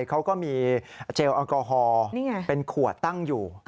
เขาก็มีเจลแอลกอฮอล์เป็นขวดตั้งอยู่